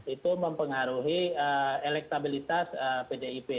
itu mempengaruhi elektabilitas pdip